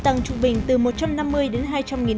tăng trung bình từ một trăm năm mươi đến hai trăm linh nghìn đồng